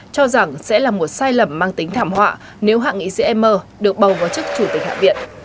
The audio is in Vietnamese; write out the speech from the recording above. cho rằng sẽ là một sai lầm mang tính thảm họa nếu hạ nghị sĩ emmer được bầu vào chức chủ tịch hạ viện